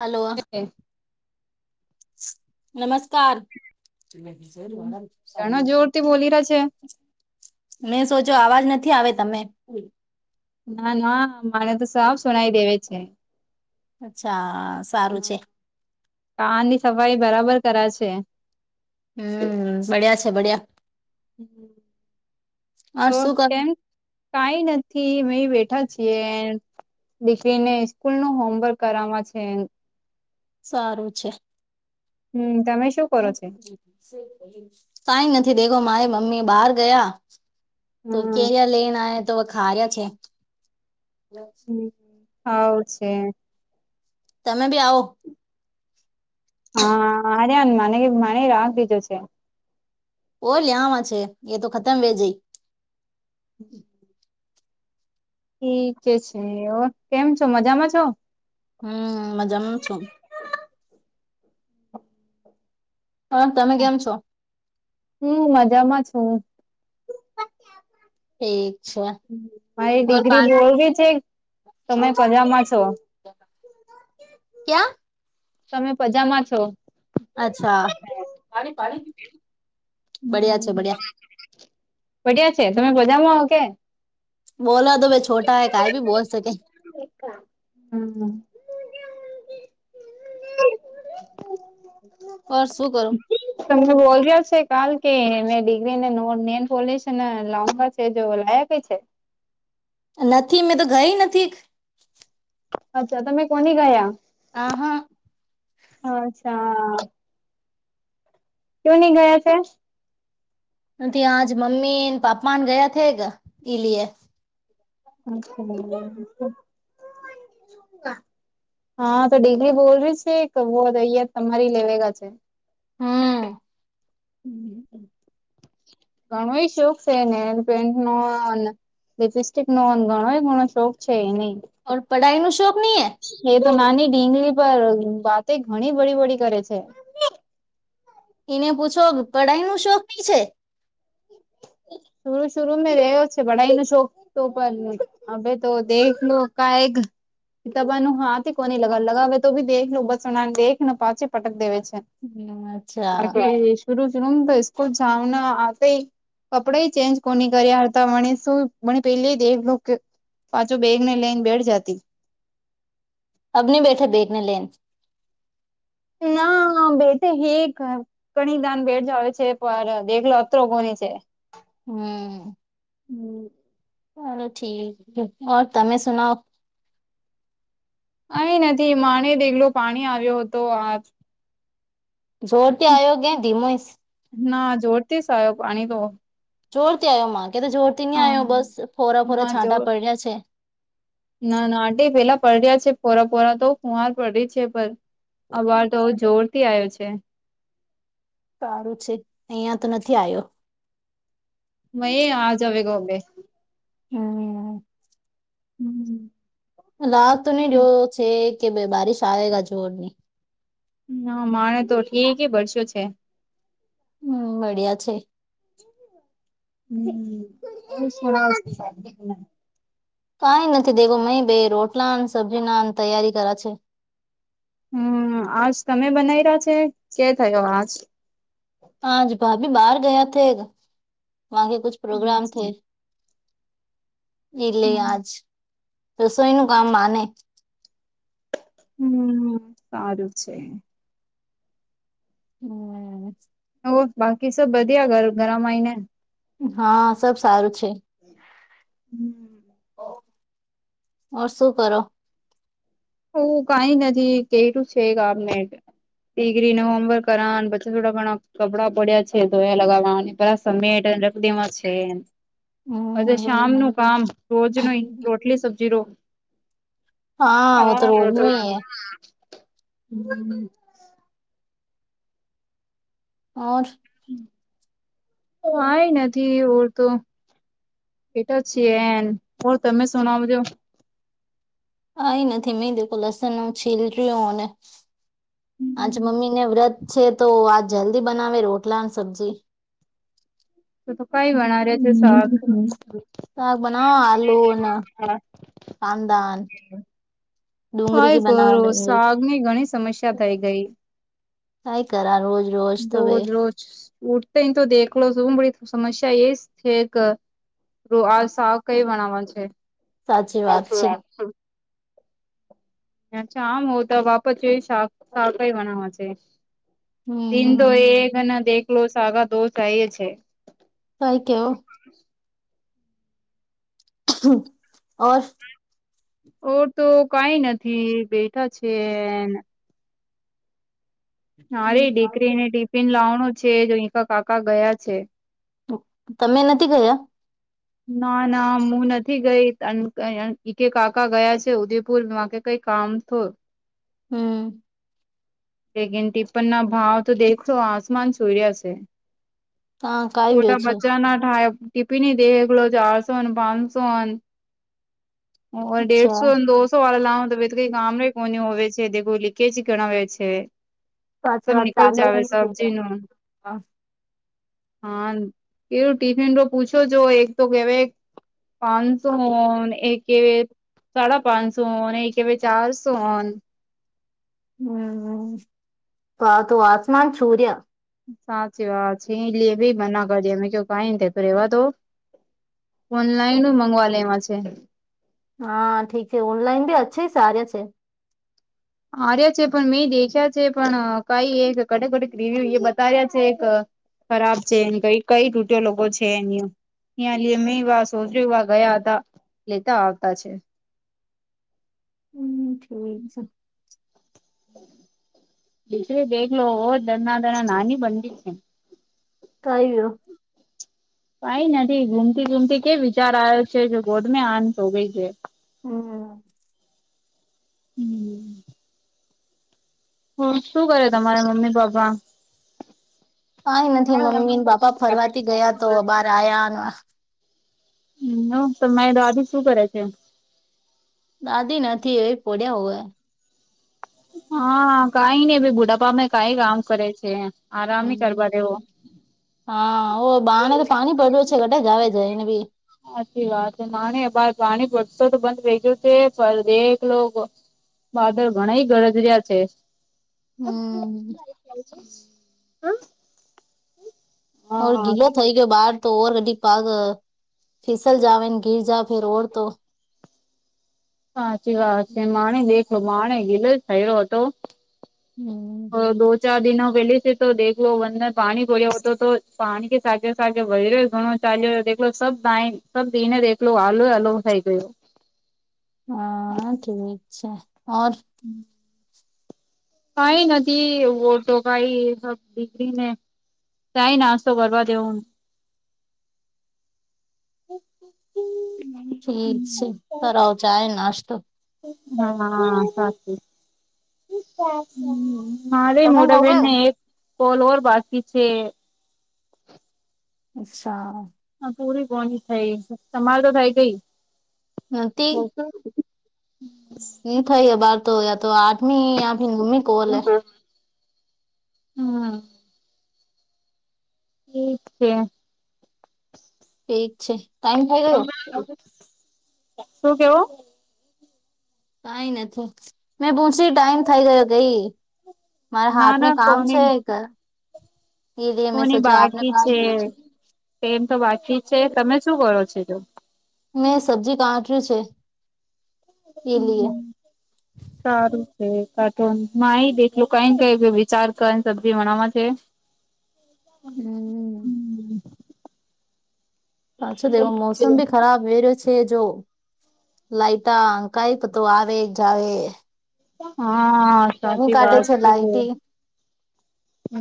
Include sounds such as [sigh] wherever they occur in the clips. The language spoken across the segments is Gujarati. હલો હમ નમસ્કાર [inaudible] ઘણો જોરથી બોલી રહ્યા છે મેં સોચો અવાજ નથી આવે તમે ના ના મારે તો સબ સુનાઈ દેવે છે. અચ્છા સારું છે કાન ની સફાઈ બરાબર કરા છે. હમ બળ્યા છે, બળિયા [inaudible] તો શું કર કેમ કઈ નથી અ બેઠા છીએ દીકરીને સ્કૂલ નું હોમવર્ક કર છે. સારું છે. હમ તમે શું કરો છો? કઈ નથી દેખો મારી મમ્મી બહાર ગયા તો હમ કે્યા લેણા તોખાર્યા છે. હ હા છે. તમે બી આવો હા હરેન મને મને રાગ દીધો છે. ઓ લ્યામાં છે, એ તો ખતમ વે જઈ ઠીક છે, ઓ કેમ છો મજામાં છો હમ મજામ છું. હ તમે કેમ છો. હું મજામાં છું. ઠીક છેર મારી દીકરી બોલવી છે તમે પજામાં છો ક્યા તમે પજામા છો. અચ્છા પાણી પાણી પઢિયા છે, તમે બજામાં આવ કે. બોલો તો ભાઈ છોટા હૈ કાઈ ભી બોલ સકે [unintelligible] પર શું કરો તમને બોલ છે. કાલ કે એને ડિગ્રી નેો નેન પોોલીસ ને લાવબા છે, જો લાયક છે. નથી મેં તો ગઈ નથી અચ્છા તમે કોની ગયા આ હા હા અચ્છા કું નની ગયા છે નથી આજ મમ્મી પાપ્પાને ગયા થ ગ ઈ લ હ હા તો ડિગરી બોલ ર છે કે બો અહીયાત તમારી લેવેગા છે હમ ઘણો એ શોખ છે ને પેન્ટ નો લિપસ્ટિક નોંધ ગણો એ ગણો શોખ છે એ નહી ઓ પઢાઈ ન શોક નહીં એ તો નાની ઢીંગલી પર વાતે ઘણી વડી વળડી કરે છે એને પૂછો પઢાઈ નું શોખ કી છે શરૂ શરૂમાં રહે ઓ છે બડા નને શોક તો પણ અભ તો દેખ લો ક એક પિતાબાનું હાથ કોણ ન લગા લગાવવે તોી દખ લો બસ સનાને દેખને પાછી પટક દવે છે અચ્છા બાકી શરૂરૂ શરૂમાં તો સ્કો જામના આતા કપડા ચેન્જ કોની કર્યા હતા મને શું મને પેલે દે પાછો બેગ ને લઈને બેઠ જતી અબ ન બેઠે બેગને લેન બે હ ઘણી દાન બેઠ જાવ છે પર દેલો અત્રરો કોની છે હમ હમ ચાલો ઠીક તમે સુનાઓ અં નથી માને દેગલો પાણી આવ્યો હતો આ જોરથી આયોગે ધીમોઈસ ના જોરતી સ આવો પાણી તો જોરતી આવ્યો માં ક તો જોરતી નહી હા આવ્યો બસ ફોરા ફોરા જો છાંટા પડ્યા છે ના ના આંટી પેલા પડ્યા છે ફોરા ફોરા તો કુંવાર પડડી છે પણ અ વાર તો જોર થી આવ્યો છે સારું છે અહિયાં તો નથી આવ્યો મ આજ આવે ગોબે હમ હમ લ તો નઈ જો છે કે ભ બારીશ આવયેગ જોરની હ માણે તો ઠીક ભરસો છે હમ મળ્યા છે હમ એ શ કઈ નથી દેખો મહી બે રોટલા સબ્જી ના તૈયારી કરા છે હમ આજ તમે બનાય રહ્યા છે કે થયો આજ આાજ ભાભી બહાર ગયા થે વા કે કુછ પ્રોગ્રામ થે હમ એટલે આજ રસોઈ નું કા મ માને હમ સારું છે હમ ઓ બાકી સબ બધીયા ઘરામાંય ને હા સબ સારું છે એવું ઓર શું કરો હ કઈ નથી કેટું છે ગામ ને દીકરીને હોમવર્ક કરવા અને પછી થોડા ઘણા કપડાં પડ્યા છે તો એયા લગાવવા અને પેલા સમેત રદીમાં છે. હ હમ શામનું કામ રોજનું રોટલી સબ્જી રો. વો તો હા હ. રોજનું હી હે ઓ આય નથી ઓર તો એટા છીએ. એ તમે સુના મુજ- આઈ નથી. મેં લસન ન છીલ રહ્યું અને આચ મમ્મી ને વ્રત છે તો આ જલ્દી બનાવે રોટલા સબ્જી. તો તો હ કઈ વણા રહ્યા છે શાક [unintelligible] શાક બનાવો આલૂ અને કાંદા કાઈ કરુ ડુંગળી શાકની ઘણી સમસ્યા થઈ ગઈ. કાઈ કરા રોજ રોજ તો બે. ઉઠતા તો દેલો છે હ બડી સમસ્યા એ જ છે એક. તો આજ શાક કઈ બનાવાનું છે? સાચી વાત છે. અચ્છા. આમ હો તો વાપસ એજ શાક કઈ બનાવા છે. દિન તો હમ એ અને દેલો સાગા દો થાય છે. કઈ કેવું? ઓ. ઓર તો કઈ નથી, બેઠા છે. મારે દીકરીને ટિફિન લાવાનું છે. જો ઈજા કાકા ગયા છે. તમે નથી ગયા? ના ના હું નથી ગઈ. એક કાકા ગયા છે ઉદયપુર. કઈ કામ થો હમ્મ ઇગન ટિપ્પણના ભાવ તો દેખલો આસમાન સુઇ રહ્યા શે. હા કઈ છોટા ગયો છે બચ્ચાંના થાય. ટિફિની દે એગલો ચારસો ન, પાંચસો ન, ઓર અચ્છા દેઢસોન, દો [unintelligible] કોની હો છે દેખું લીકેજ્ ગણાવે છે. સાચી સબ નીકલ જાવે સબજીનું. હ. હા, કેવું ટિફિન તો પૂછો? જો એક તો કેવાય. પાંચસો હોન એક સાડા પાંચસો એ કે ભાઈ ચારસો હમ. તો આસમાન છુર્યા. સાચી વાત છે. એ ભી મના કરી દેમે કેવ કઈ થાય રેવા તો- ઓનલાઈન મગવા લેવા છે. હા, ઠીક હે, ઓનલાઈન બી અચ્છી સારે છે. હાર્યા છે, પણ મેં દેખ્યા છે, પણ અ કઈ એક કટે કટે રિવ્યુ એ બતાવ્યા છે. એક ખરાબ છે એન કઈ કઈ તૂટે લોબો છે એની નીઆલી હે મે વા સોચુ, વા ગયા હતા, લેતા આવતા છે. હમ ઠીક છ દીસરી દેખલો ઓ દરના દરા નાની બનતી છે. કૈરું કાઈ નથી. ગુમતી ગુમતી કે વિચાર આવ્યો છે, જો ગોદ મે આન સોગઈ છે. હમ્મ હમ્મ હ, શું કરે તમારા મમ્મી પપ્પા? કઈ નથી, મમ્મી ને પાપા ફરવાથી ગયા તો અબાર આયા. નો તમારી દાદી શું કરે છે? દાદી નથી એવી પડ્યા હોય. હા કાઈ નઈ ભાઈ બુઢાપા માં કાઈ કામ કરે છે, આરામ હી કરવા હમ દેવો હા ઓ બાનેતો પાણી પડ્યું છે, કટે જાવે જઈને બી. હાછી વાત છે, માની બાર પાણી પડતો તો બંધ વેહી ગયો છે, પણ એકેલો. બાદળ ઘણાઇ ગરજરિયા છે. હમ્મ [unintelligible] ઓર હા ગીલો થઈ ગયો બાર તો ઓર ગાડી પાગ, ફીસલ જાવાન ગિરજા ફિર ઓર તો. સાચી વાત છે, માણે દેખલો માણે ગીલેજ થયો હતો. હમ્મ ઓર દો ચાર દિનો વેલી છે તો દેવો વંદન પાણી ભડ્યા હો તો તો પાણી કે. સાકે સાકે વહીરોએ ઘણો ચાલ્યો, દેખો સબ ડાઈ સબ દીને દેખલો આલો અલોગ થઈ ગયો. હા ઠીક છે. ઓર હમ્મ કાઈ નથી વોટો કાઈ એ સબ દીકરી ને. ચાય નાશતો કરવા દેવુન. ઠીક છે તરાવ ચાય નાશતો. હા સાચું. હમ્મ મારે તમે હો મોટાબેન ગયો ને એક કોલ ઓર બાકી છે. અચ્છા. હ પૂરી કોની થઈ, તમાર તો થાય ગઈ. નથી હમ ની ખઇએ બાર તો યા તો આઠમી યા ઘુમી. હુ કો હમ્મ એી છે. ઠી છે ટાઈમ ખાઈ દ તો. શું કેવું. કઈ નથી. મેં બૂસી ટાઈમ થઈ ગયો ગઈ, મારા ના હાથમે ના કામ છે કોની એક. કોની બાકી છે, એમ તો બાકી છે તમે શું કરો છો જો? મેં સબ્જી કાટરી છે. એ હમ્મ હમ્મ [inaudible] સારું છે ક માયટલું કઈ ક વિચાર ક સબ્જી ભણમાં છે. હમ. અચ્છા દવો મોસમ ભ. ખરાબ વેર્યો છે જો લઇટા કઈ તો આવેજ આવે. હા ઘણી સાચી કાઢે વાત છે. લાઈટી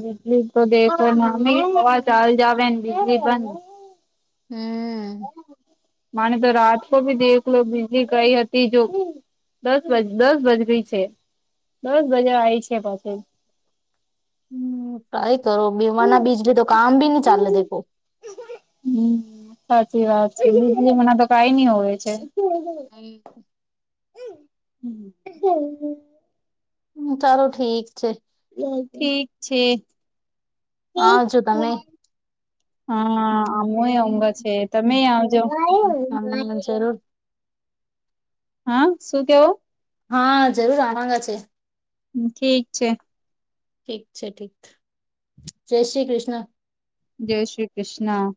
બિજલી તો દેખીવા ચાલ જવે ને બિજલી બંધ. હમ. માને તો રાતકો ભી દેખલો બીજી કઈ હતી જો. દસ દસ બજ છે દસ બજે આવી છે પાછી. હમ ટ્રાય કરો બીવાના બીજ તો કામ ભી નહી ચાલે દેખો. હમ સાચી વાત છે મના તો કઈ નઈ હોય છે. હ. હ. હ ચાલો ઠીક છે. ઠીક છે. હા જોો તમે હા આમુ એ અંગ હમ. છે તમે આવજો હા જરૂર હા શું કેવો હા જરૂર આરાંગા છે હ ઠીક છે ઠીક છે ઠીક જય શ્રી કૃષ્ણ જય શ્રી કૃષ્ણ